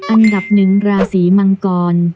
อันดับหนึ่งราศรีมังกร